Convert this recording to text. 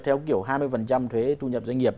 theo kiểu hai mươi thuế thu nhập doanh nghiệp